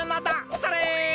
それ！